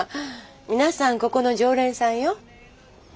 皆さんここの常連さんよ。